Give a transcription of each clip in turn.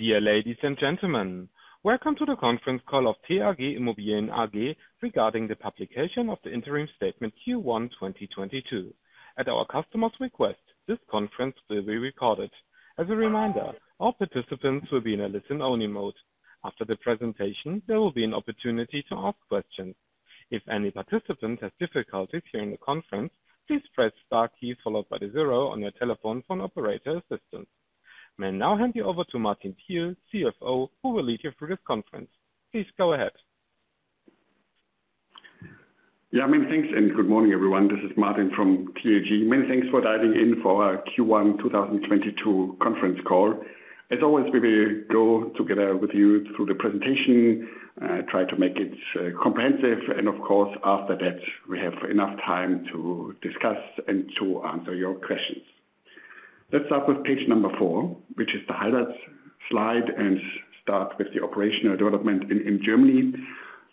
Dear ladies and gentlemen, welcome to the conference call of TAG Immobilien AG regarding the publication of the interim statement Q1 2022. At our customer's request, this conference will be recorded. As a reminder, all participants will be in a listen-only mode. After the presentation, there will be an opportunity to ask questions. If any participant has difficulties hearing the conference, please press star key followed by the zero on your telephone for an operator assistant. May I now hand you over to Martin Thiel, CFO, who will lead you through this conference. Please go ahead. Many thanks, and good morning, everyone. This is Martin Thiel from TAG. Many thanks for dialing in for our Q1 2022 conference call. As always, we will go together with you through the presentation, try to make it comprehensive, and of course, after that, we have enough time to discuss and to answer your questions. Let's start with page number four, which is the highlights slide, and start with the operational development in Germany.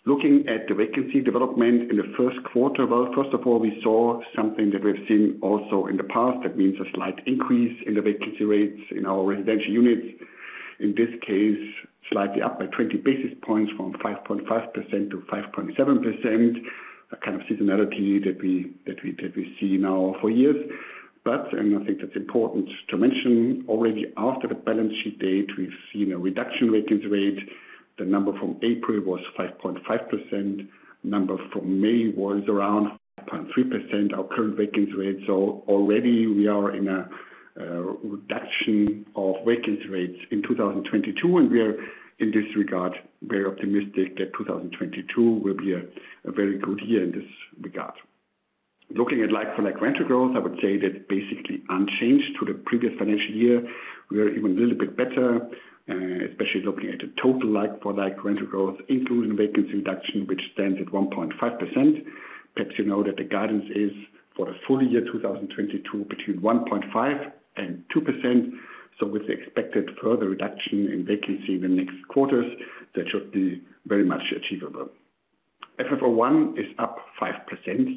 Looking at the vacancy development in the Q1. Well, first of all, we saw something that we've seen also in the past. That means a slight increase in the vacancy rates in our residential units. In this case, slightly up by 20 basis points from 5.5% to 5.7%. A kind of seasonality that we see now for years. I think that's important to mention, already after the balance sheet date, we've seen a reduction vacancy rate. The number from April was 5.5%. Number from May was around 0.3%, our current vacancy rate. Already we are in a reduction of vacancy rates in 2022, and we are, in this regard, very optimistic that 2022 will be a very good year in this regard. Looking at like-for-like rental growth, I would say that basically unchanged to the previous financial year. We are even a little bit better, especially looking at the total like-for-like rental growth, including vacancy reduction, which stands at 1.5%. Perhaps you know that the guidance is for the full year 2022 between 1.5% and 2%. With the expected further reduction in vacancy in the next quarters, that should be very much achievable. FFO I is up 5%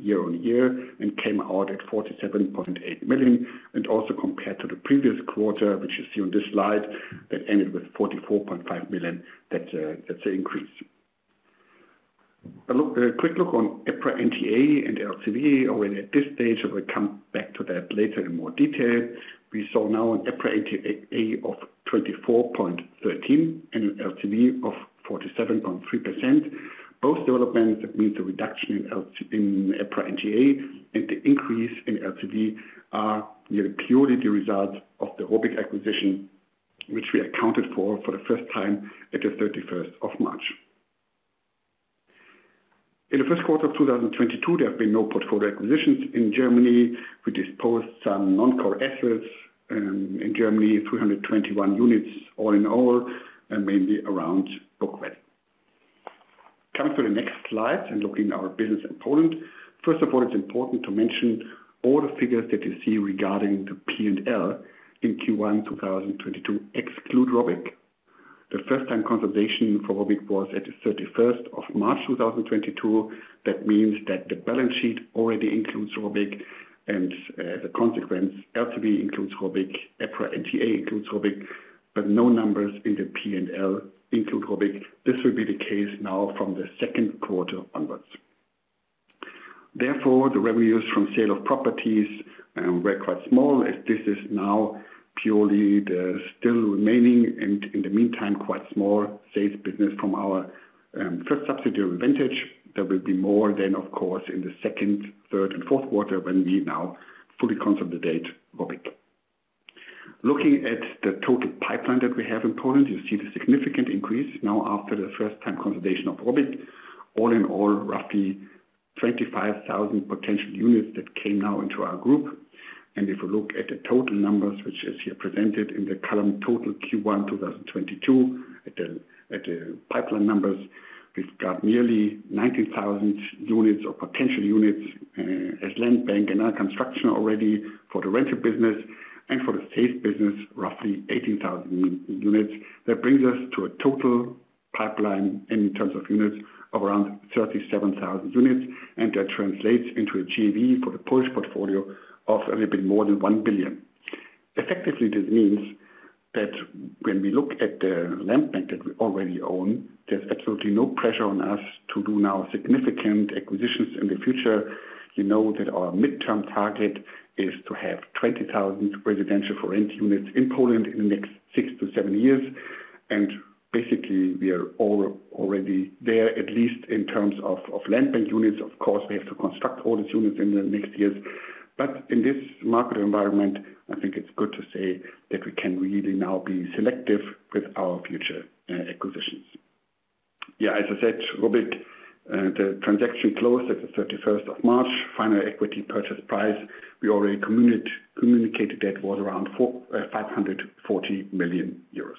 year-on-year and came out at 47.8 million. Also compared to the previous quarter, which you see on this slide, that ended with 44.5 million. That's an increase. A quick look on EPRA NTA and LTV. Already at this stage, we will come back to that later in more detail. We saw now an EPRA NTA of 24.13 and LTV of 47.3%. Both developments mean the reduction in EPRA NTA and the increase in LTV are purely the result of the ROBYG acquisition, which we accounted for for the first time at the March 31st. In the Q1 of 2022, there have been no portfolio acquisitions in Germany. We disposed some non-core assets in Germany, 321 units all in all, and mainly around Burgwedel. Coming to the next slide and looking at our business in Poland. First of all, it's important to mention all the figures that you see regarding the P&L in Q1 2022 exclude ROBYG. The first-time consolidation for ROBYG was at the March 31st, 2022. That means that the balance sheet already includes ROBYG and the consolidated LTV includes ROBYG, EPRA NTA includes ROBYG, but no numbers in the P&L include ROBYG. This will be the case now from the Q2 onwards. Therefore, the revenues from sale of properties were quite small, as this is now purely the still remaining and, in the meantime, quite small sales business from our first subsidiary, Vantage. There will be more than, of course, in the Q2, Q3 and Q4 when we now fully consolidate ROBYG. Looking at the total pipeline that we have in Poland, you see the significant increase now after the first-time consolidation of ROBYG. All in all, roughly 25,000 potential units that came now into our group. If you look at the total numbers, which is here presented in the column total Q1 2022 at the pipeline numbers, we've got nearly 90,000 units or potential units as land bank and under construction already for the rental business. For the sales business, roughly 18,000 units. That brings us to a total pipeline in terms of units of around 37,000 units. That translates into a GDV for the Polish portfolio of a little bit more than 1 billion. Effectively, this means that when we look at the land bank that we already own, there's absolutely no pressure on us to do now significant acquisitions in the future. You know that our midterm target is to have 20,000 residential for rent units in Poland in the next six to seven years. Basically, we are all already there, at least in terms of land bank units. Of course, we have to construct all these units in the next years. In this market environment, I think it's good to say that we can really now be selective with our future acquisitions. Yeah, as I said, ROBYG, the transaction closed at the March 31st. Final equity purchase price, we already communicated that was around 540 million euros.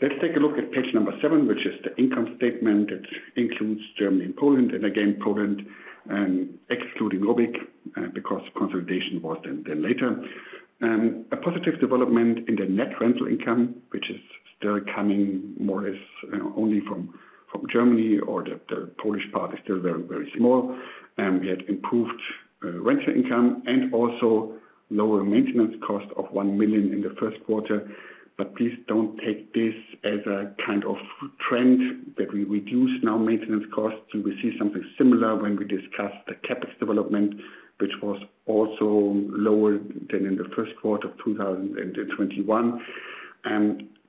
Let's take a look at page seven, which is the income statement that includes Germany and Poland, and again, Poland, excluding ROBYG, because consolidation was then later. A positive development in the net rental income, which is still coming more or less only from Germany or the Polish part is still very, very small. We had improved rental income and also lower maintenance cost of 1 million in the Q1. Please don't take this as a kind of trend that we reduce now maintenance costs, and we see something similar when we discuss the CapEx development, which was also lower than in the Q1 of 2021.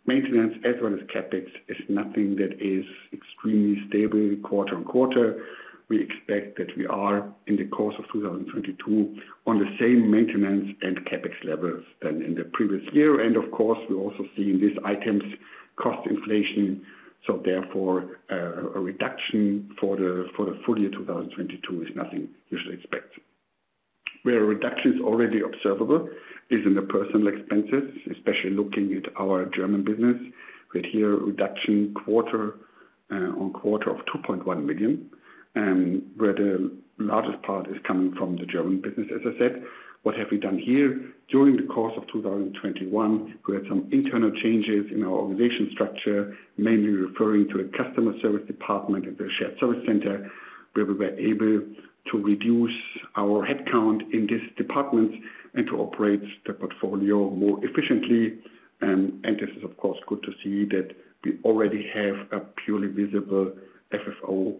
Maintenance as well as CapEx is nothing that is extremely stable quarter on quarter. We expect that we are in the course of 2022 on the same maintenance and CapEx levels than in the previous year. Of course, we also see in these items cost inflation, so therefore, a reduction for the full year 2022 is nothing we should expect. Where reduction is already observable is in the personnel expenses, especially looking at our German business. We had here a reduction quarter on quarter of 2.1 million, where the largest part is coming from the German business, as I said. What have we done here? During the course of 2021, we had some internal changes in our organization structure, mainly referring to a customer service department at the shared service center, where we were able to reduce our head count in this department and to operate the portfolio more efficiently. This is of course good to see that we already have a purely visible FFO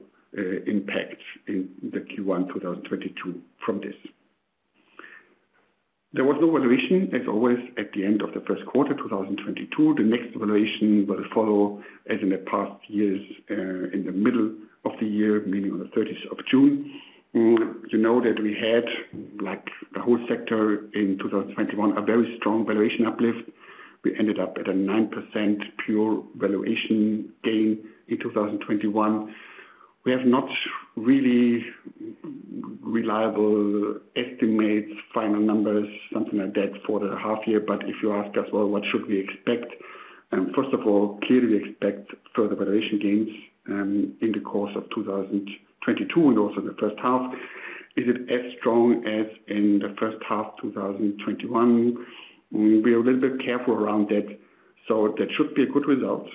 impact in the Q1 2022 from this. There was no valuation, as always, at the end of the Q1 2022. The next valuation will follow, as in the past years, in the middle of the year, meaning on the June 30th. You know that we had, like the whole sector in 2021, a very strong valuation uplift. We ended up at a 9% pure valuation gain in 2021. We have not really reliable estimates, final numbers, something like that for the half year. If you ask us, well, what should we expect? First of all, clearly we expect further valuation gains in the course of 2022 and also the first half. Is it as strong as in the first half 2021? We're a little bit careful around that, so that should be a good result.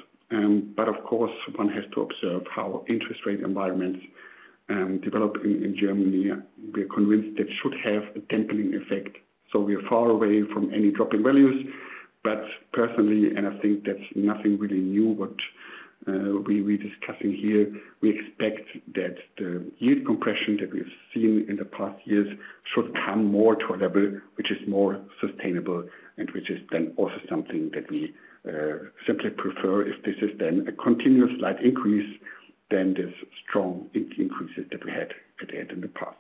Of course one has to observe how interest rate environments develop in Germany. We're convinced that should have a dampening effect. We are far away from any drop in values. Personally, and I think that's nothing really new, what we're discussing here, we expect that the yield compression that we've seen in the past years should come more to a level which is more sustainable and which is then also something that we simply prefer. If this is then a continuous slight increase than this strong increases that we had at the end in the past.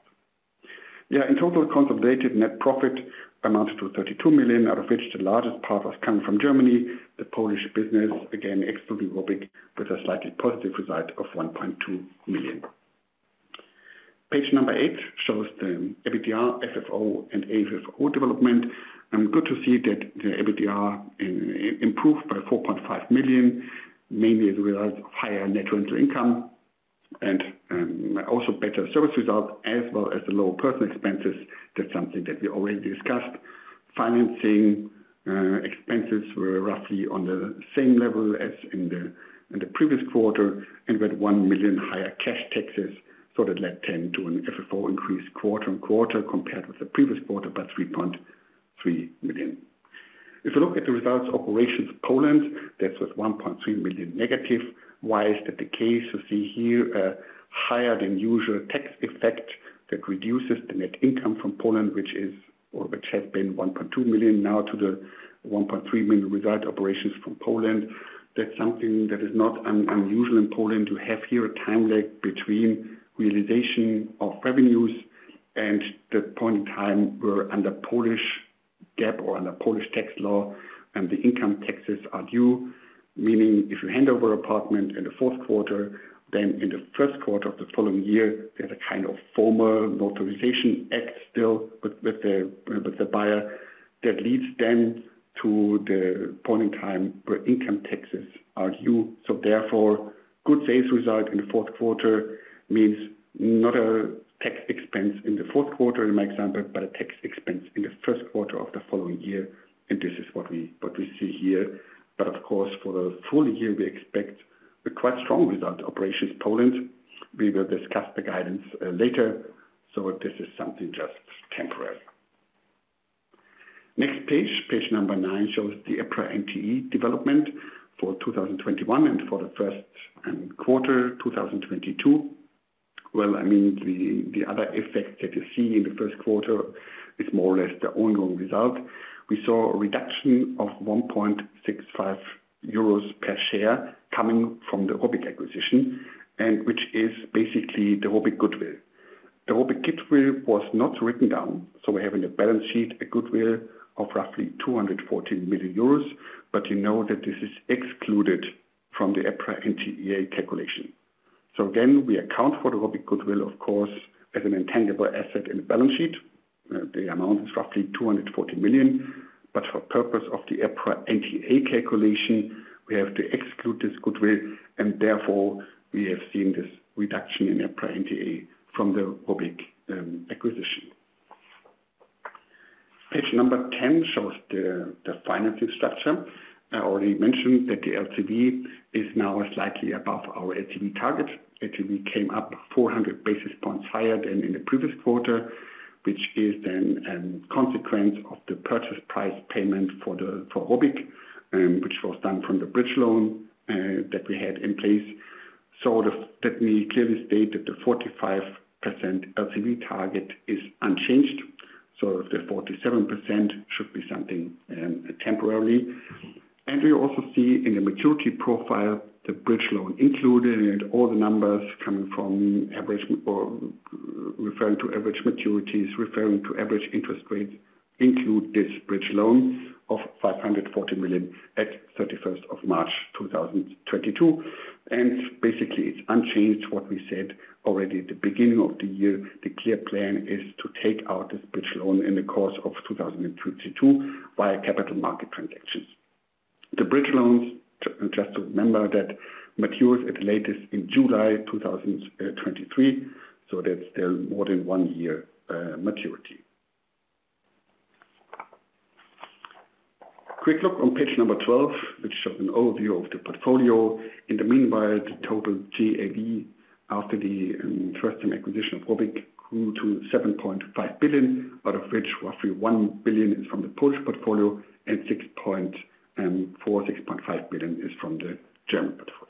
Yeah, in total consolidated net profit amounted to 32 million, out of which the largest part was coming from Germany. The Polish business, again, excluding ROBYG, with a slightly positive result of 1.2 million. Page number eight shows the EBITDA, FFO, and AFFO development. Good to see that the EBITDA improved by 4.5 million, mainly as a result of higher net rental income and also better service results as well as the lower personnel expenses. That's something that we already discussed. Financing expenses were roughly on the same level as in the previous quarter, and we had 1 million higher cash taxes. That led to an FFO increase quarter-on-quarter compared with the previous quarter by 3.3 million. If you look at the results of operations in Poland, that was 1.3 million negative. Why is that the case? You see here a higher than usual tax effect that reduces the net income from Poland, which has been 1.2 million now to the 1.3 million result from operations from Poland. That's something that is not unusual in Poland to have here a time lag between realization of revenues and the point in time where, under Polish GAAP or under Polish tax law, the income taxes are due. Meaning if you hand over apartment in the Q4, then in the Q1 of the following year, there's a kind of formal authorization act still with the buyer that leads then to the point in time where income taxes are due. Good sales result in the Q4 means not a tax expense in the Q4 in my example, but a tax expense in the Q1 of the following year. This is what we see here. Of course, for the full year, we expect a quite strong result operations Poland. We will discuss the guidance later. This is something just temporary. Next page number nine shows the EPRA NTA development for 2021 and for the first quarter 2022. Well, I mean, the other effects that you see in the Q1 is more or less the ongoing result. We saw a reduction of 1.65 euros per share coming from the ROBYG acquisition, which is basically the ROBYG goodwill. The ROBYG goodwill was not written down, so we have in the balance sheet a goodwill of roughly 214 million euros, but you know that this is excluded from the EPRA NTA calculation. Again, we account for the ROBYG goodwill, of course, as an intangible asset in the balance sheet. The amount is roughly 240 million. For purpose of the EPRA NTA calculation, we have to exclude this goodwill, and therefore we have seen this reduction in EPRA NTA from the ROBYG acquisition. Page number 10 shows the financing structure. I already mentioned that the LTV is now slightly above our LTV target. LTV came up 400 basis points higher than in the previous quarter, which is the consequence of the purchase price payment for ROBYG, which was done from the bridge loan that we had in place. Let me clearly state that the 45% LTV target is unchanged, so the 47% should be something temporary. We also see in the maturity profile the bridge loan included, and all the numbers coming from averages or referring to average maturities, referring to average interest rates include this bridge loan of 540 million at March 31, 2022. Basically, it's unchanged what we said already at the beginning of the year. The clear plan is to take out this bridge loan in the course of 2022 via capital market transactions. The bridge loans, just to remember, that matures at latest in July 2023, so that's still more than one year maturity. Quick look on page 12, which is an overview of the portfolio. In the meanwhile, the total GAV after the first term acquisition of ROBYG grew to 7.5 billion, out of which roughly 1 billion is from the Polish portfolio and 6.5 billion is from the German portfolio.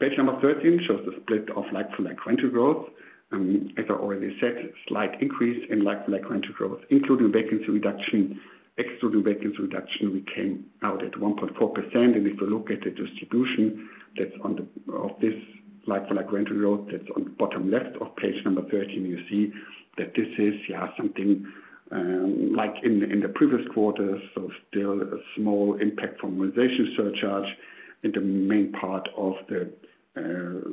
Page 13 shows the split of like-for-like rental growth. As I already said, slight increase in like-for-like rental growth, including vacancy reduction. Excluding vacancy reduction, we came out at 1.4%. If you look at the distribution that's on the of this like-for-like rental growth that's on the bottom left of page 13, you see that this is, yeah, something like in the previous quarters. Still a small impact from modernization surcharge. The main part of the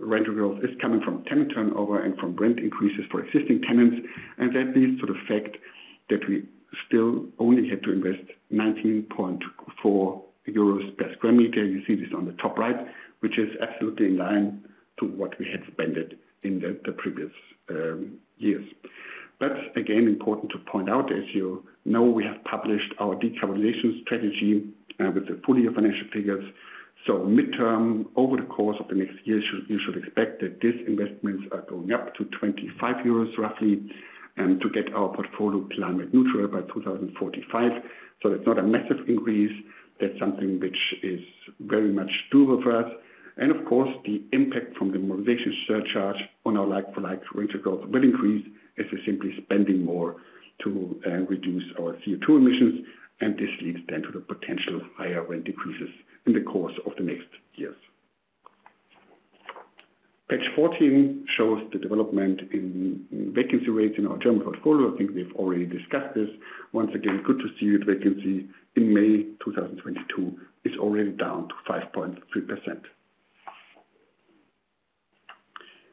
rental growth is coming from tenant turnover and from rent increases for existing tenants. That leads to the fact that we still only had to invest 19.4 euros per square meter. You see this on the top right, which is absolutely in line with what we had spent in the previous years. Again, important to point out, as you know, we have published our decarbonization strategy with the full-year financial figures. Midterm, over the course of the next year, you should expect that these investments are going up to 25 euros roughly to get our portfolio climate neutral by 2045. It's not a massive increase. That's something which is very much doable for us. Of course, the impact from the modernization surcharge on our like-for-like rental growth will increase as we're simply spending more to reduce our CO2 emissions. This leads then to the potential higher rent increases in the course of the next years. Page 14 shows the development in vacancy rates in our German portfolio. I think we've already discussed this. Once again, good to see that vacancy in May 2022 is already down to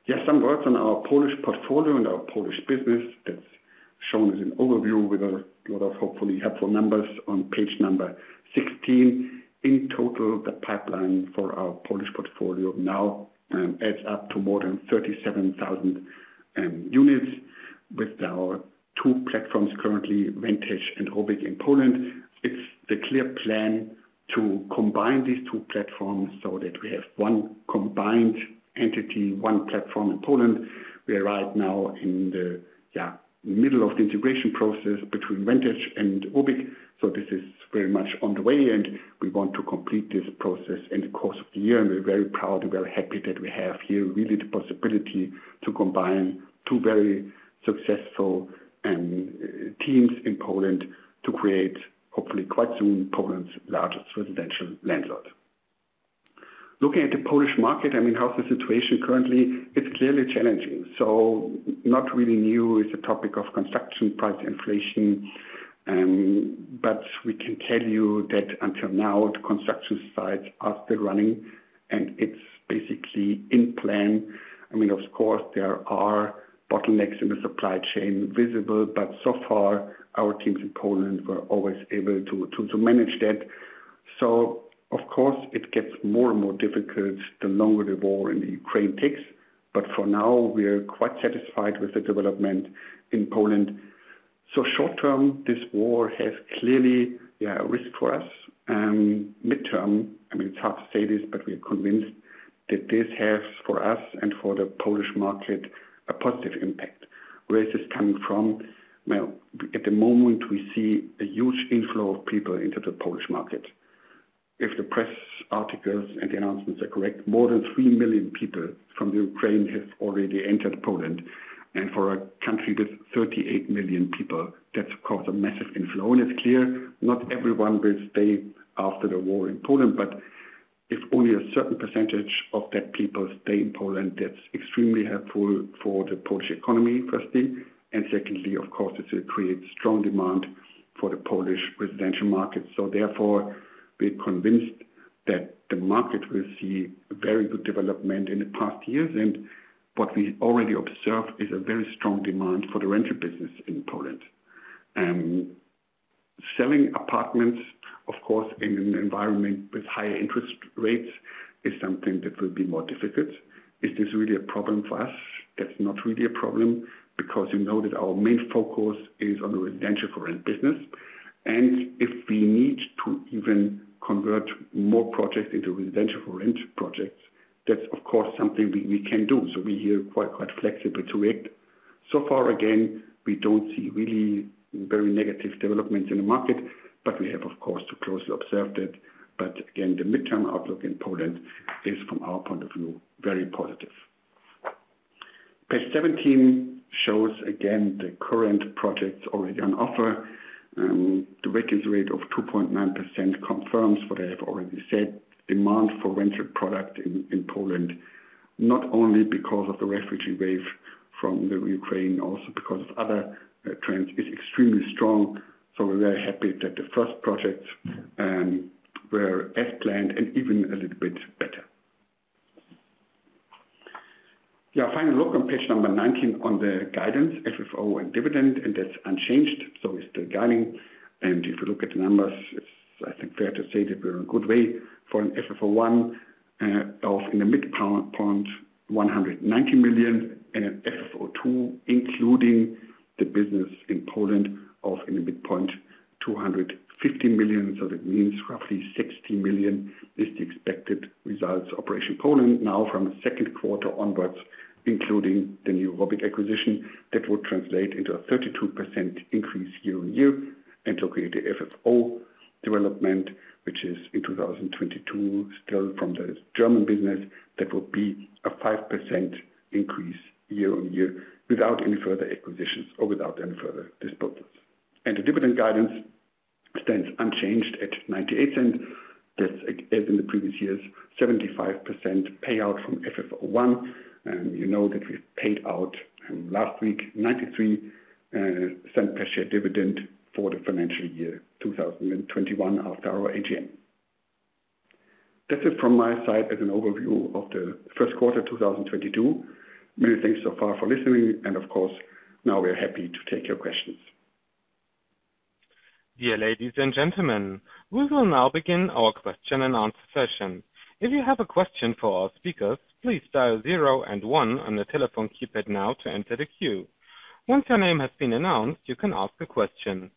5.3%. Just some words on our Polish portfolio and our Polish business that's shown as an overview with a lot of hopefully helpful numbers on page 16. In total, the pipeline for our Polish portfolio now adds up to more than 37,000 units with our two platforms, currently Vantage and ROBYG in Poland. It's the clear plan to combine these two platforms so that we have one combined entity, one platform in Poland. We are right now in the, yeah, middle of the integration process between Vantage and ROBYG. This is very much on the way, and we want to complete this process in the course of the year. We're very proud and very happy that we have here really the possibility to combine two very successful teams in Poland to create, hopefully quite soon, Poland's largest residential landlord. Looking at the Polish market, I mean, how's the situation currently? It's clearly challenging. Not really new is the topic of construction price inflation. We can tell you that until now the construction sites are still running, and it's basically in plan. I mean, of course, there are bottlenecks in the supply chain visible, but so far our teams in Poland were always able to manage that. Of course, it gets more and more difficult the longer the war in Ukraine takes. For now we are quite satisfied with the development in Poland. Short term, this war has clearly, yeah, a risk for us. Midterm, I mean, it's hard to say this, but we are convinced that this has, for us and for the Polish market, a positive impact. Where is this coming from? Well, at the moment, we see a huge inflow of people into the Polish market. If the press articles and the announcements are correct, more than three million people from the Ukraine have already entered Poland. For a country with 38 million people, that's of course a massive inflow. It's clear not everyone will stay after the war in Poland. If only a certain percentage of that people stay in Poland, that's extremely helpful for the Polish economy, firstly. Secondly, of course, it creates strong demand for the Polish residential market. Therefore, we are convinced that the market will see a very good development in the past years. What we already observed is a very strong demand for the rental business in Poland. Selling apartments, of course, in an environment with higher interest rates is something that will be more difficult. Is this really a problem for us? That's not really a problem because you know that our main focus is on the residential rent business. If we need to even convert more projects into residential rent projects, that's of course something we can do. We're here quite flexible to it. So far, again, we don't see really very negative developments in the market, but we have of course to closely observe that. Again, the midterm outlook in Poland is from our point of view, very positive. Page 17 shows again the current projects already on offer. The vacancy rate of 2.9% confirms what I have already said. Demand for rental product in Poland, not only because of the refugee wave from the Ukraine, also because of other trends, is extremely strong. We're very happy that the first projects were as planned and even a little bit better. Yeah, final look on page number 19 on the guidance FFO and dividend, and that's unchanged, so we're still guiding. If you look at the numbers, it's, I think, fair to say that we're in good way for an FFO I of, in the midpoint, 190 million and an FFO II, including the business in Poland, of, in the midpoint, 250 million. That means roughly 60 million is the expected results from operations Poland now from the Q2 onwards, including the new ROBYG acquisition that will translate into a 32% increase year-on-year. To create the FFO development, which is in 2022, still from the German business, that will be a 5% increase year-on-year without any further acquisitions or without any further disposals. The dividend guidance stands unchanged at 0.98. That's as in the previous years, 75% payout from FFO I. You know that we've paid out, last week 0.93 per share dividend for the financial year 2021 after our AGM. That's it from my side as an overview of the Q1 2022. Many thanks so far for listening and of course, now we are happy to take your questions. Dear ladies and gentlemen, we will now begin our question-and-answer session. If you have a question for our speakers, please dial zero and one on the telephone keypad now to enter the queue. Once your name has been announced, you can ask a question.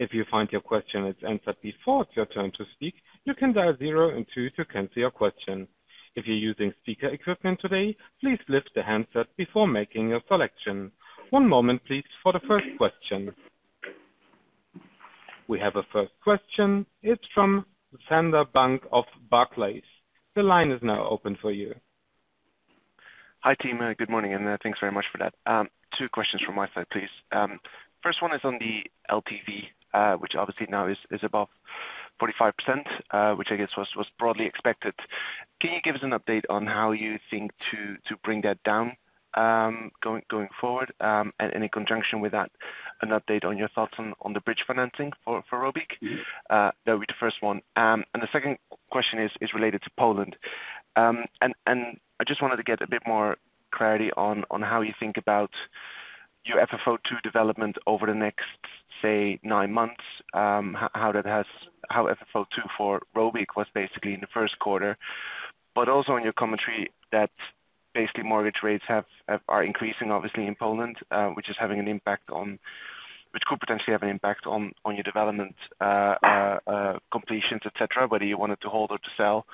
If you find your question is answered before it's your turn to speak, you can dial zero and two to cancel your question. If you're using speaker equipment today, please lift the handset before making your selection. One moment please for the first question. We have a first question. It's from Sander Bank of Barclays. The line is now open for you. Hi team. Good morning, and thanks very much for that. Two questions from my side, please. First one is on the LTV, which obviously now is above 45%, which I guess was broadly expected. Can you give us an update on how you think to bring that down, going forward? In connection with that, an update on your thoughts on the bridge financing for ROBYG? That would be the first one. The second question is related to Poland. I just wanted to get a bit more clarity on how you think about your FFO II development over the next, say, nine months. How FFO II for ROBYG was basically in the Q1, but also in your commentary that basically mortgage rates are increasing obviously in Poland, which could potentially have an impact on your development completions, et cetera, whether you wanted to hold or to sell.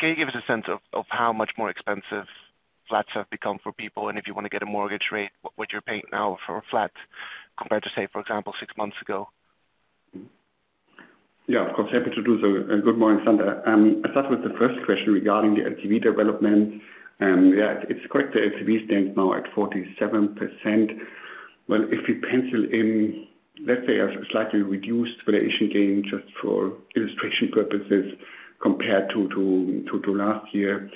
Can you give us a sense of how much more expensive flats have become for people? And if you wanna get a mortgage rate, what would you be paying now for a flat compared to say, for example, six months ago? Yeah, of course. Happy to do so. Good morning, Sander. I'll start with the first question regarding the LTV development. Yeah, it's correct. The LTV stands now at 47%. Well, if we pencil in, let's say a slightly reduced valuation gain just for illustration purposes compared to last year.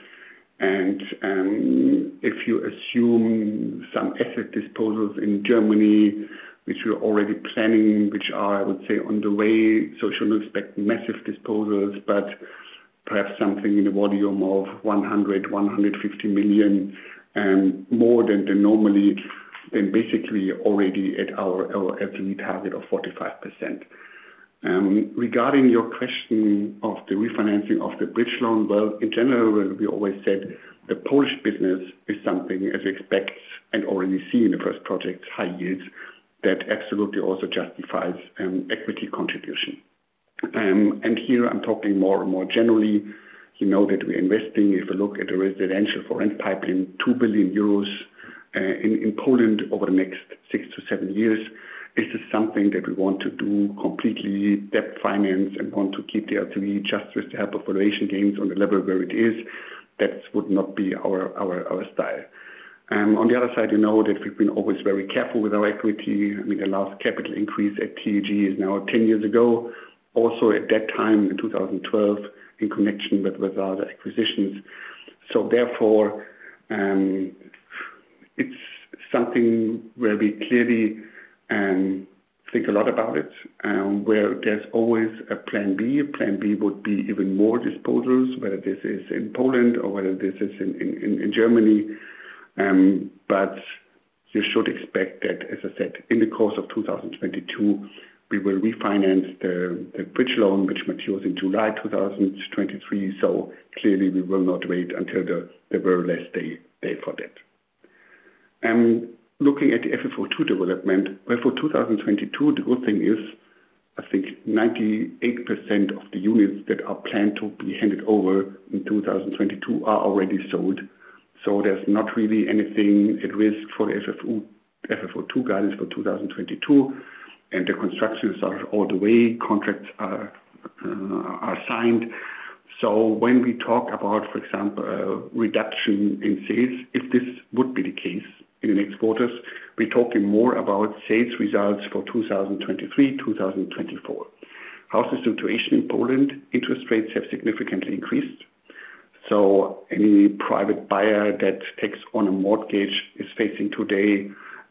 If you assume some asset disposals in Germany, which we're already planning, which are, I would say on the way, so should expect massive disposals, but perhaps something in the volume of 150 million, more than normally and basically already at our LTV target of 45%. Regarding your question of the refinancing of the bridge loan, well, in general, we always said the Polish business is something as we expect and already see in the first project high yields that absolutely also justifies equity contribution. And here I'm talking more and more generally, you know that we are investing. If we look at the residential for rent pipeline, 2 billion euros in Poland over the next six to seven years, is this something that we want to do completely debt finance and want to keep the LTV just with the help of valuation gains on the level where it is? That would not be our style. On the other side, you know that we've been always very careful with our equity. I mean, the last capital increase at TAG is now 10 years ago, also at that time in 2012 in connection with our acquisitions. Therefore, it's something where we clearly think a lot about it, where there's always a plan B. Plan B would be even more disposals, whether this is in Poland or whether this is in Germany. You should expect that, as I said, in the course of 2022, we will refinance the bridge loan, which matures in July 2023. Clearly we will not wait until the very last day for that. Looking at the FFO II development. Well, for 2022, the good thing is, I think 98% of the units that are planned to be handed over in 2022 are already sold. There's not really anything at risk for FFO II guidance for 2022. The constructions are all the way, contracts are signed. When we talk about, for example, reduction in sales, if this would be the case in the next quarters, we're talking more about sales results for 2023, 2024. How is the situation in Poland? Interest rates have significantly increased. Any private buyer that takes on a mortgage is facing today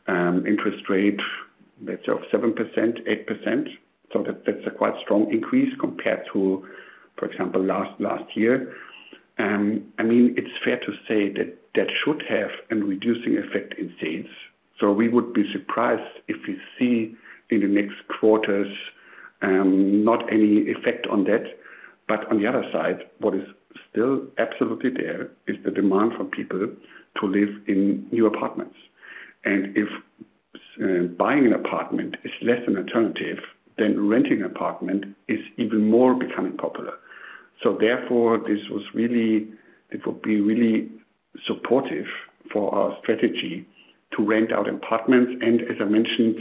interest rates of 7%, 8%. That's a quite strong increase compared to, for example, last year. I mean, it's fair to say that should have a reducing effect in sales. We would be surprised if we see in the next quarters not any effect on that. On the other side, what is still absolutely there is the demand for people to live in new apartments. If buying an apartment is less an alternative than renting apartment is even more becoming popular. Therefore, it would be really supportive for our strategy to rent out apartments. As I mentioned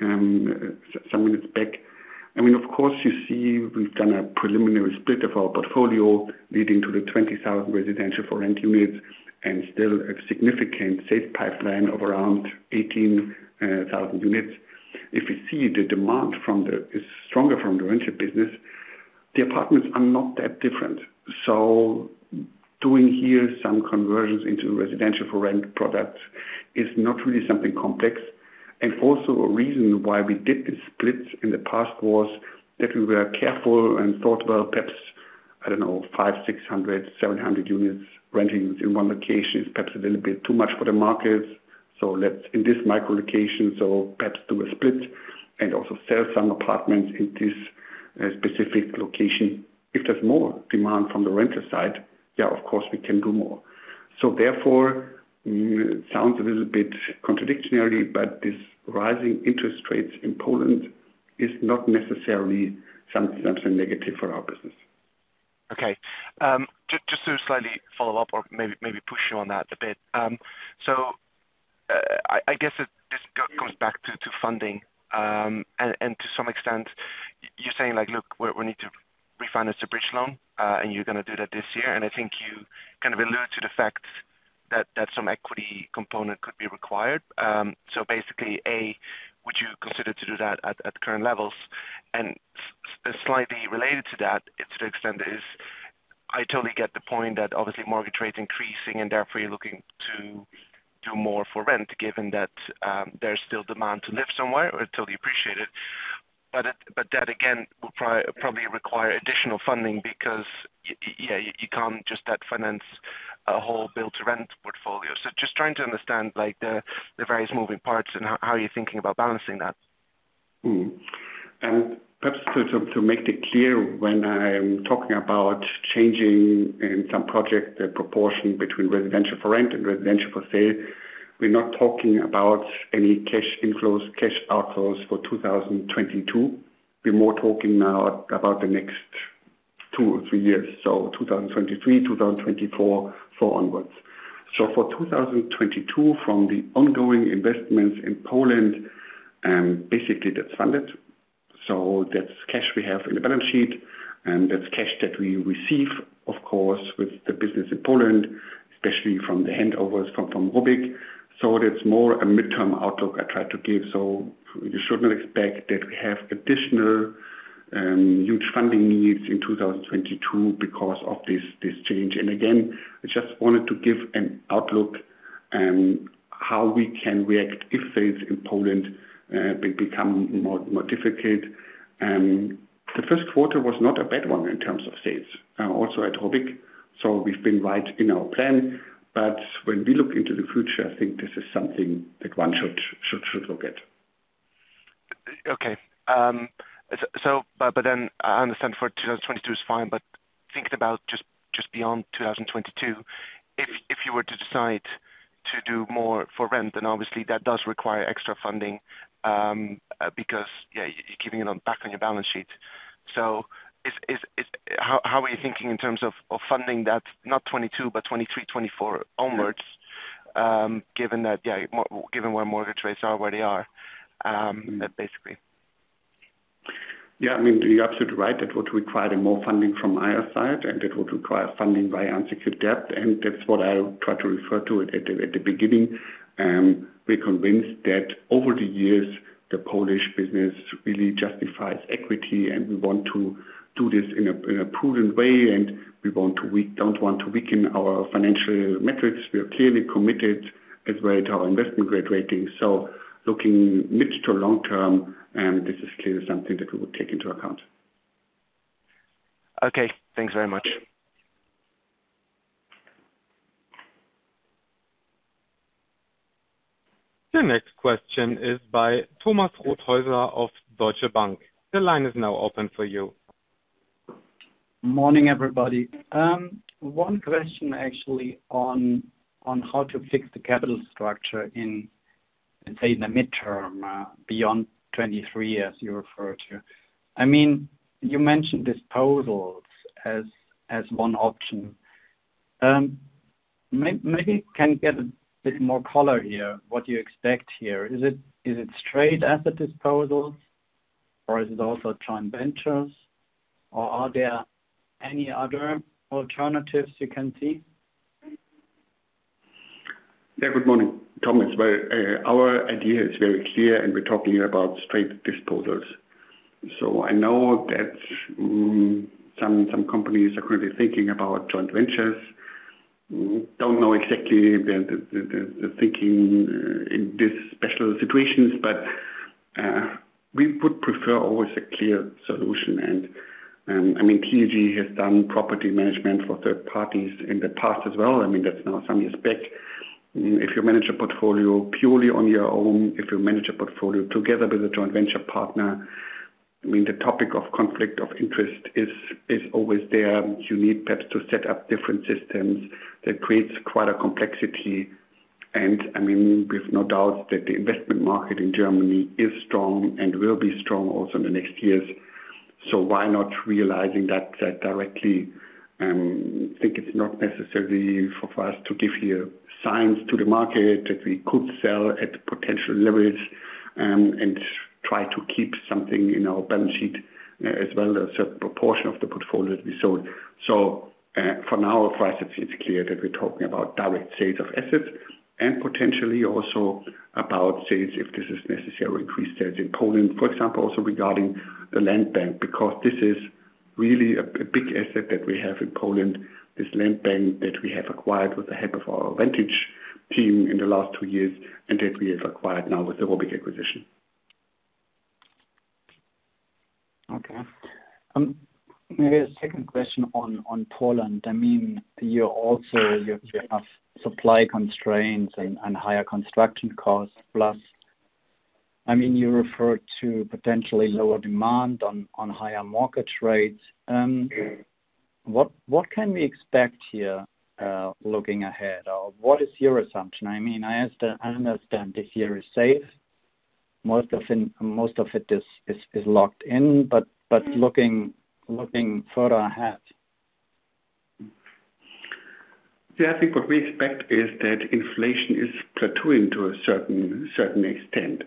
some minutes back, I mean, of course, you see we've done a preliminary split of our portfolio leading to the 20,000 residential for rent units and still a significant sales pipeline of around 18,000 units. If we see the demand from the rental business is stronger, the apartments are not that different. Doing here some conversions into residential for rent products is not really something complex. Also a reason why we did the splits in the past was that we were careful and thought, well, perhaps, I don't know, 500-700 units renting in one location is perhaps a little bit too much for the market. Let's in this micro location perhaps do a split and also sell some apartments in this specific location. If there's more demand from the renter side, yeah, of course, we can do more. Therefore, it sounds a little bit contradictory, but this rising interest rates in Poland is not necessarily something negative for our business. Okay. Just to slightly follow up or maybe push you on that a bit. I guess this comes back to funding, and to some extent, you're saying like, look, we need to refinance the bridge loan, and you're gonna do that this year. I think you kind of allude to the fact that some equity component could be required. So basically, A, would you consider to do that at current levels? And slightly related to that, to the extent, I totally get the point that obviously mortgage rates increasing and therefore you're looking to do more for rent, given that there's still demand to live somewhere. I totally appreciate it. That again will probably require additional funding because yeah, you can't just debt finance a whole build to rent portfolio. Just trying to understand like the various moving parts and how you're thinking about balancing that. Mm-hmm. Perhaps to make that clear, when I'm talking about changing in some project the proportion between residential for rent and residential for sale, we're not talking about any cash inflows, cash outflows for 2022. We're more talking now about the next two or three years, so 2023, 2024 and onwards. For 2022 from the ongoing investments in Poland, basically that's funded. That's cash we have in the balance sheet, and that's cash that we receive, of course, with the business in Poland, especially from the handovers from ROBYG. That's more a midterm outlook I try to give. You shouldn't expect that we have additional huge funding needs in 2022 because of this change. Again, I just wanted to give an outlook on how we can react if sales in Poland become more difficult. The Q1 was not a bad one in terms of sales, also at ROBYG. We've been right in our plan. When we look into the future, I think this is something that one should look at. I understand for 2022 is fine, but thinking about just beyond 2022, if you were to decide to do more for rent, then obviously that does require extra funding, because you're keeping it back on your balance sheet. How are you thinking in terms of funding that not 2022, but 2023, 2024 onwards, given that, given where mortgage rates are, basically? Yeah. I mean, you're absolutely right. That would require more funding from our side, and that would require funding via unsecured debt. That's what I try to refer to at the beginning. We're convinced that over the years, the Polish business really justifies equity, and we want to do this in a prudent way. We don't want to weaken our financial metrics. We are clearly committed as well to our investment grade rating. Looking mid to long term, this is clearly something that we would take into account. Okay. Thanks very much. The next question is by Thomas Rothoeuser of Deutsche Bank. The line is now open for you. Morning, everybody. One question actually on how to fix the capital structure in, let's say, in the midterm, beyond 23 as you refer to. I mean, you mentioned disposals as one option. Maybe can get a bit more color here, what you expect here. Is it straight asset disposals or is it also joint ventures, or are there any other alternatives you can see? Yeah. Good morning, Thomas. Our idea is very clear, and we're talking about straight disposals. I know that some companies are currently thinking about joint ventures. Don't know exactly the thinking in these special situations, but we would prefer always a clear solution. I mean, TCG has done property management for third parties in the past as well. I mean, that's now some years back. If you manage a portfolio purely on your own, if you manage a portfolio together with a joint venture partner, I mean, the topic of conflict of interest is always there. You need perhaps to set up different systems. That creates quite a complexity. I mean, with no doubt that the investment market in Germany is strong and will be strong also in the next years. Why not realizing that directly? I think it's not necessary for us to give you signs to the market that we could sell at potential leverage and try to keep something in our balance sheet as well as a proportion of the portfolio to be sold. For now, for us, it's clear that we're talking about direct sales of assets and potentially also about sales if this is necessary, increased sales in Poland, for example. Regarding the land bank, because this is really a big asset that we have in Poland, this land bank that we have acquired with the help of our Vantage team in the last two years, and that we have acquired now with the ROBYG acquisition. Okay. Maybe a second question on Poland. I mean, you also have supply constraints and higher construction costs, plus, I mean, you referred to potentially lower demand on higher market rates. What can we expect here, looking ahead, or what is your assumption? I mean, I understand this year is safe. Most of it is locked in, but looking further ahead. Yeah. I think what we expect is that inflation is plateauing to a certain extent.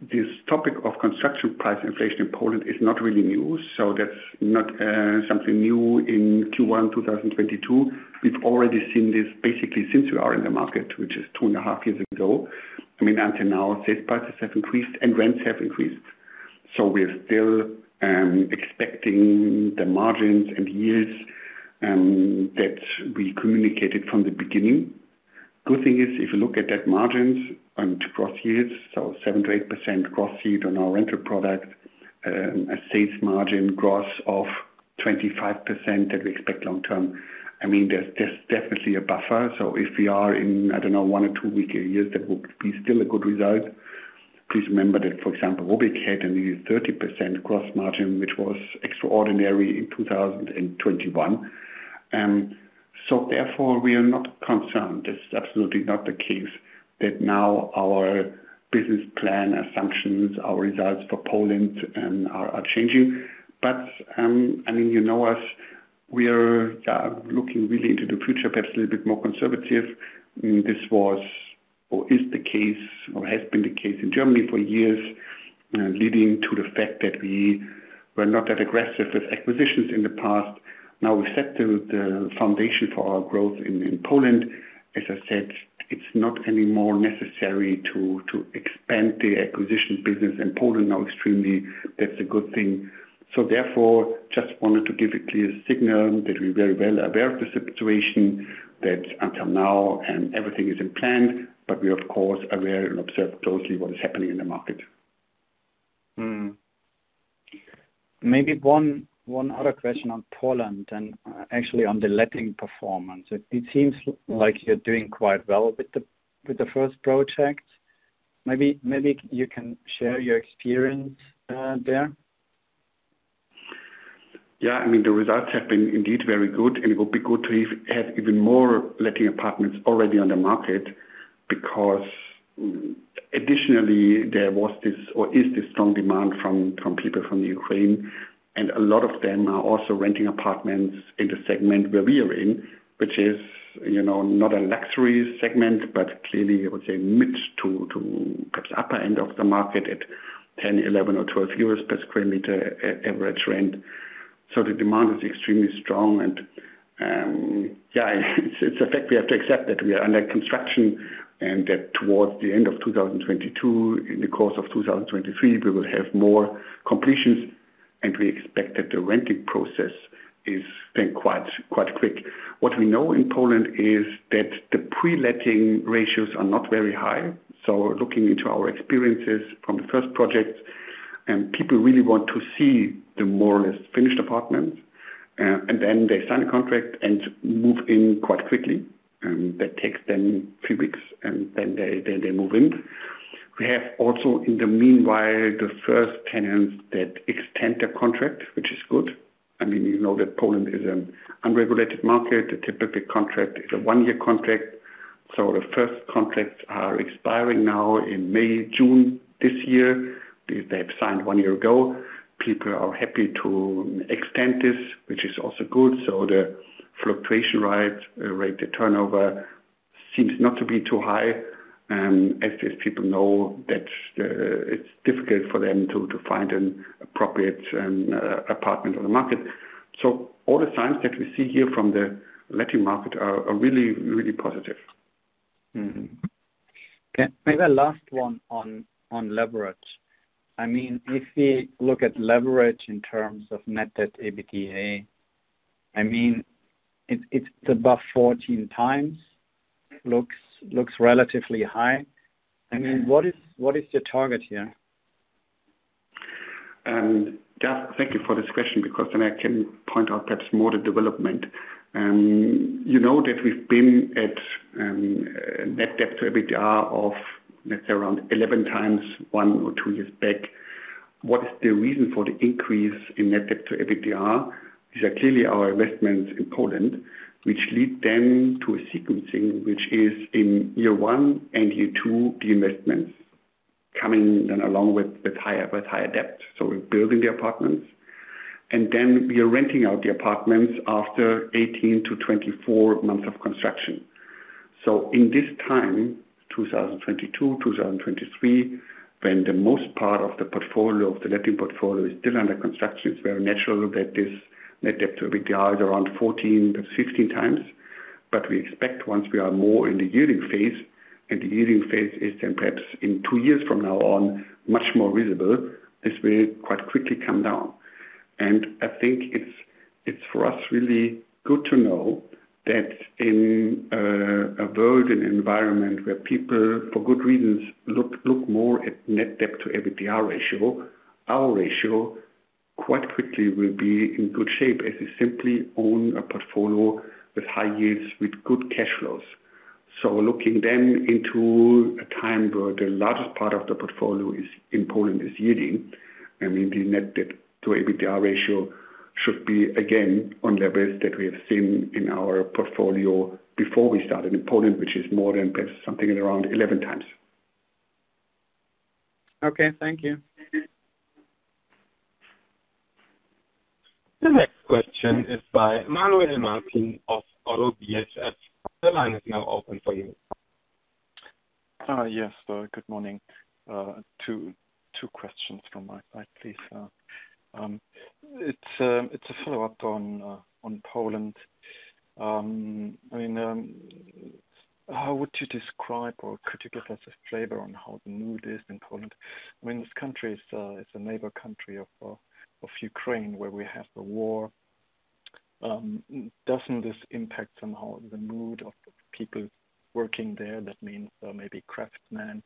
This topic of construction price inflation in Poland is not really new, that's not something new in Q1 2022. We've already seen this basically since we are in the market, which is two and a half years ago. I mean, until now, sales prices have increased and rents have increased. We're still expecting the margins and yields that we communicated from the beginning. Good thing is, if you look at those margins and gross yields, 7%-8% gross yield on our rental product, a gross sales margin of 25% that we expect long term. I mean, there's definitely a buffer. If we are in, I don't know, one or two weaker years, that would be still a good result. Please remember that, for example, ROBYG had a nearly 30% gross margin, which was extraordinary in 2021. Therefore, we are not concerned. This is absolutely not the case that now our business plan assumptions, our results for Poland, are changing. I mean, you know us, we are looking really into the future, perhaps a little bit more conservative. This was or is the case or has been the case in Germany for years, leading to the fact that we were not that aggressive with acquisitions in the past. Now we've set the foundation for our growth in Poland. As I said, it's not any more necessary to expand the acquisition business in Poland now extremely. That's a good thing. Therefore, just wanted to give a clear signal that we're very well aware of the situation, that until now, everything is in plan, but we of course are aware and observe closely what is happening in the market. Maybe one other question on Poland and actually on the letting performance. It seems like you're doing quite well with the first project. Maybe you can share your experience there. Yeah. I mean, the results have been indeed very good, and it would be good to have even more letting apartments already on the market because additionally there was this or is this strong demand from people from the Ukraine, and a lot of them are also renting apartments in the segment where we are in, which is, you know, not a luxury segment, but clearly I would say mid to perhaps upper end of the market at 10, 11 or 12 euros per square meter average rent. So, the demand is extremely strong. Yeah, it's a fact we have to accept that we are under construction and that towards the end of 2022, in the course of 2023, we will have more completions, and we expect that the renting process is quite quick. What we know in Poland is that the pre-letting ratios are not very high. Looking into our experiences from the first projects and people really want to see the more or less finished apartments, and then they sign a contract and move in quite quickly, and that takes them few weeks and then they move in. We have also in the meanwhile, the first tenants that extend their contract, which is good. I mean, you know that Poland is an unregulated market. The typical contract is a one-year contract, so the first contracts are expiring now in May, June this year. They have signed one year ago. People are happy to extend this, which is also good. The fluctuation rise rate, the turnover seems not to be too high, as these people know that it's difficult for them to find an appropriate apartment on the market. All the signs that we see here from the letting market are really, really positive. Maybe last one on leverage. I mean, if we look at leverage in terms of net debt to EBITDA, I mean it's above 14x. Looks relatively high. I mean, what is your target here? Just thank you for this question because then I can point out perhaps more the development. You know that we've been at net debt to EBITDA of, let's say, around 11x one or two years back. What is the reason for the increase in net debt to EBITDA? These are clearly our investments in Poland, which lead then to a sequencing, which is in year one and year two, the investments coming then along with higher debt. We're building the apartments and then we are renting out the apartments after 18-24 months of construction. In this time, 2022, 2023, when the most part of the portfolio of the letting portfolio is still under construction, it's very natural that this net debt to EBITDA is around 14x-16x. We expect once we are more in the yielding phase, and the yielding phase is then perhaps in two years from now on, much more visible, this will quite quickly come down. I think it's for us really good to know that in a world, an environment where people, for good reasons, look more at net debt to EBITDA ratio, our ratio quite quickly will be in good shape as we simply own a portfolio with high yields, with good cash flows. Looking then into a time where the largest part of the portfolio is in Poland is yielding, I mean, the net debt to EBITDA ratio should be again on levels that we have seen in our portfolio before we started in Poland, which is more than perhaps something around 11x. Okay. Thank you. The next question is by Manuel Martin of Oddo BHF. The line is now open for you. Good morning. Two questions from my side, please. It's a follow-up on Poland. I mean, how would you describe, or could you give us a flavor on how the mood is in Poland when this country is a neighbor country of Ukraine where we have the war? Doesn't this impact somehow the mood of people working there? That means, maybe craftsmen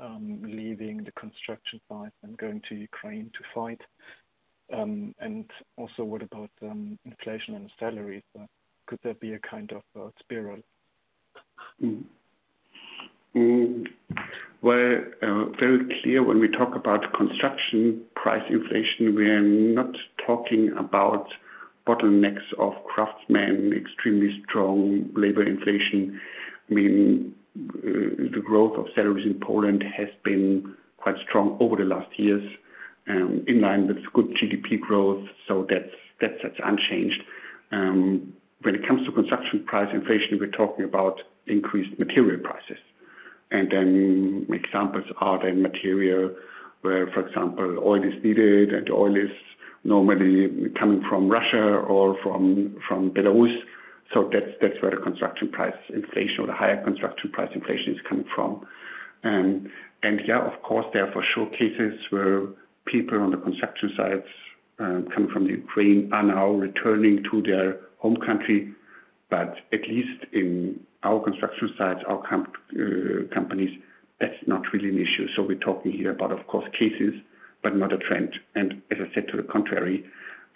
leaving the construction site and going to Ukraine to fight. What about inflation and salaries? Could there be a kind of spiral? Well, very clear when we talk about construction price inflation, we are not talking about bottlenecks of craftsmen, extremely strong labor inflation. I mean, the growth of salaries in Poland has been quite strong over the last years, in line with good GDP growth. That's unchanged. When it comes to construction price inflation, we're talking about increased material prices. Examples are the material where, for example, oil is needed and oil is normally coming from Russia or from Belarus. That's where the construction price inflation or the higher construction price inflation is coming from. Yeah, of course, there are for sure cases where people on the construction sites come from Ukraine are now returning to their home country. At least in our construction sites, our companies, that's not really an issue. We're talking here about of course cases, but not a trend. As I said, to the contrary,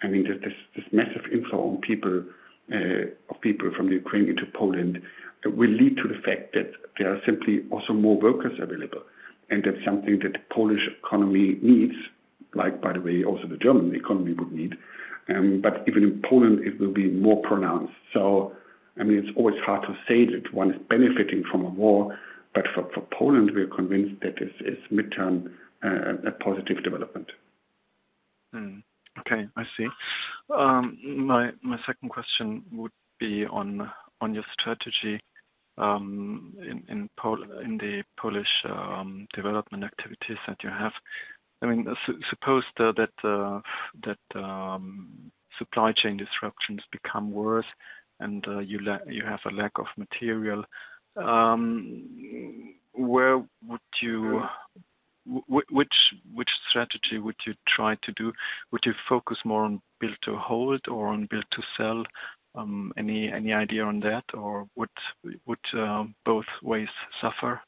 I mean, this massive inflow of people from Ukraine into Poland will lead to the fact that there are simply also more workers available. That's something that the Polish economy needs, like by the way, also the German economy would need. Even in Poland it will be more pronounced. I mean, it's always hard to say that one is benefiting from a war, but for Poland, we are convinced that this is midterm a positive development. Okay. I see. My second question would be on your strategy in the Polish development activities that you have. I mean, suppose that supply chain disruptions become worse and you have a lack of material. Which strategy would you try to do? Would you focus more on build to hold or on build to sell? Any idea on that? Or would both ways suffer?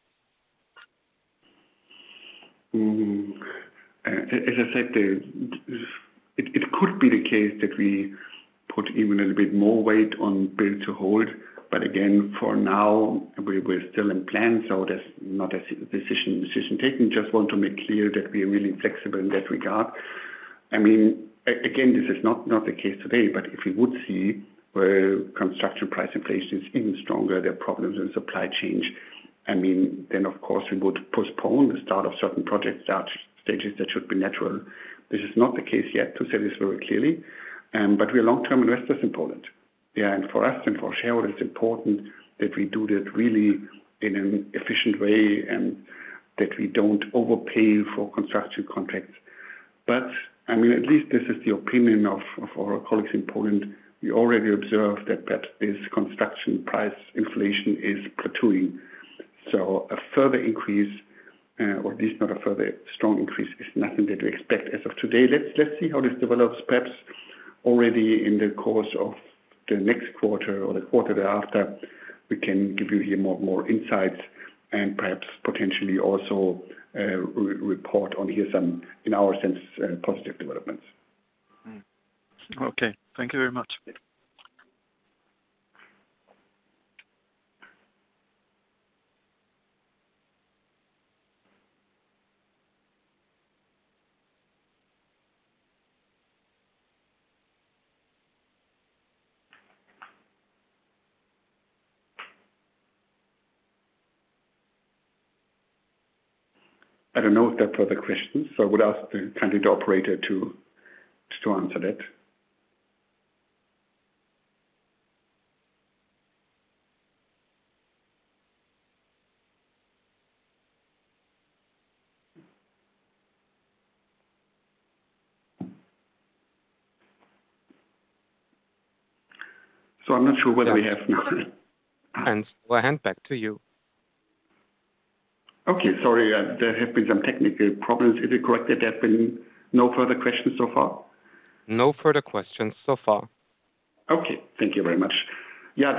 As I said, it could be the case that we put even a little bit more weight on build to hold. Again, for now we're still in plan, so there's not a decision taken. Just want to make clear that we are really flexible in that regard. I mean, again, this is not the case today, but if we would see where construction price inflation is even stronger, there are problems in supply chain. I mean, then of course we would postpone the start of certain projects at stages that should be natural. This is not the case yet, to say this very clearly. We are long-term investors in Poland. For us and for shareholders, it's important that we do that really in an efficient way and that we don't overpay for construction contracts. I mean, at least this is the opinion of our colleagues in Poland. We already observed that this construction price inflation is plateauing. A further increase, or at least not a further strong increase is nothing that we expect as of today. Let's see how this develops. Perhaps already in the course of the next quarter or the quarter thereafter, we can give you here more insights and perhaps potentially also re-report on here some, in our sense, positive developments. Okay. Thank you very much. I don't know if there are further questions, so I would kindly ask the operator to answer that. I'm not sure whether we have none. I hand back to you. Okay. Sorry. There have been some technical problems. Is it correct that there have been no further questions so far? No further questions so far. Okay. Thank you very much. Yeah,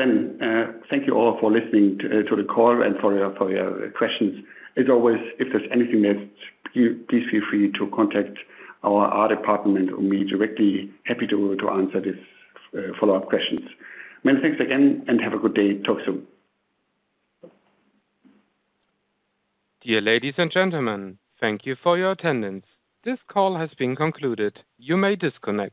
thank you all for listening to the call and for your questions. As always, if there's anything else, please feel free to contact our department or me directly. Happy to answer these follow-up questions. Many thanks again and have a good day. Talk soon. Dear ladies and gentlemen, thank you for your attendance. This call has been concluded. You may disconnect.